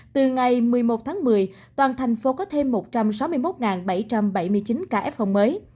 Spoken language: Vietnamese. từ ngày một mươi một tháng một mươi toàn thành phố có thêm một trăm sáu mươi một bảy trăm bảy mươi chín ca f mới